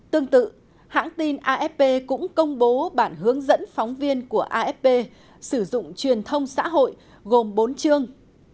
tương tự hãng tin afp cũng công bố bản hướng dẫn phóng viên của afp sử dụng truyền thông xã hội gồm bốn chương